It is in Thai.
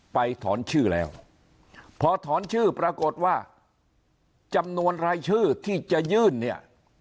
ไปถอนชื่อแล้วพอถอนชื่อปรากฏว่าจำนวนรายชื่อที่จะยื่นเนี่ย